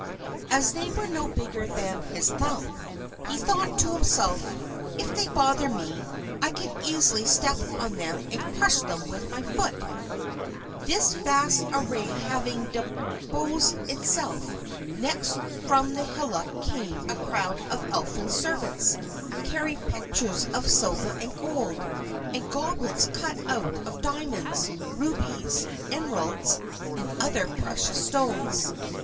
As they were no bigger than his thumb, he thought to himself: "If they bother me, I can easily step on them and crush them with my foot." This vast array having disposed itself, next from the hillock came a crowd of Elfin servants carrying pitchers of silver and gold, and goblets cut out of diamonds, rubies, emeralds, and other precious stones.